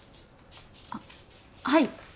あっはい。